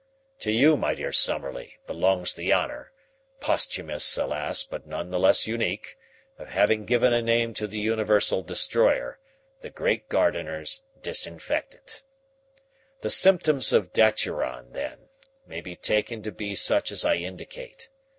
To you, my dear Summerlee, belongs the honour posthumous, alas, but none the less unique of having given a name to the universal destroyer, the Great Gardener's disinfectant. The symptoms of daturon, then, may be taken to be such as I indicate.